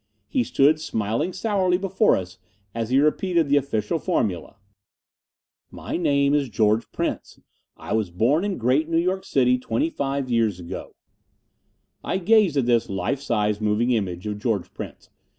He stood smiling sourly before us as he repeated the official formula: "My name is George Prince. I was born in Great New York City twenty five years ago." I gazed at this life size, moving image of George Prince.